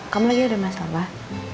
kamu lagi ada masalah